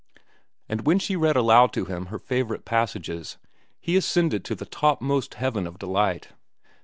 And when she read aloud to him her favorite passages, he ascended to the topmost heaven of delight.